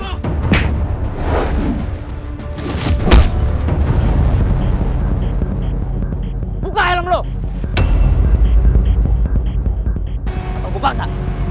atau gue paksa